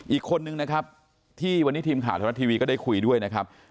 อีกคนนึงนะครับที่วันนี้ทีมข่าวไทยรัฐทีวีก็ได้คุยด้วยนะครับ